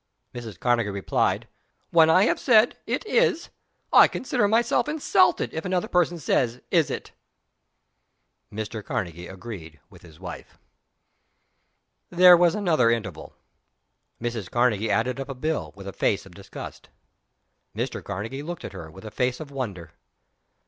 Mrs. Karnegie replied, "When I have said, It is, I consider myself insulted if another person says, Is it?" Mr. Karnegie agreed with his wife. There was another interval. Mrs. Karnegie added up a bill, with a face of disgust. Mr. Karnegie looked at her with a face of wonder.